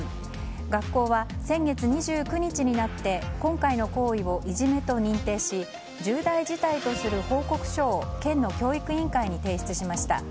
学校は、先月２９日になって今回の行為をいじめと認定し重大事態とする報告書を県の教育委員会に提出しました。